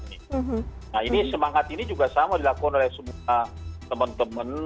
nah ini semangat ini juga sama dilakukan oleh semua teman teman